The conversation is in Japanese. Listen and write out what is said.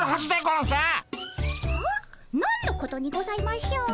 何のことにございましょう？